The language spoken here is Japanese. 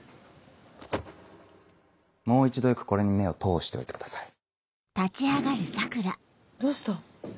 もう一度よくこれに目を通しておいてどうした？